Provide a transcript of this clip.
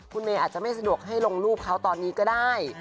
คุณเมย์อาจจะไม่สะดวกให้ลงรูปเขาตอนนี้ก็ได้